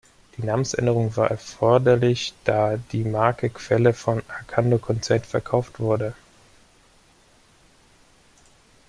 Die Namensänderung war erforderlich, da die Marke Quelle vom Arcandor-Konzern verkauft wurde.